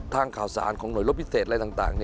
ข่าวสารของหน่วยรบพิเศษอะไรต่าง